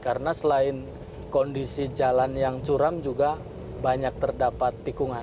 karena selain kondisi jalan yang curam juga banyak terdapat tikungan